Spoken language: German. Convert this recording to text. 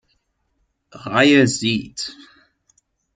Reihe sieht“.